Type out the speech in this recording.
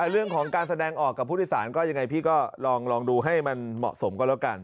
เรื่องของการแสดงออกกับผู้โดยสารก็ยังไงพี่ก็ลองดูให้มันเหมาะสมก็แล้วกัน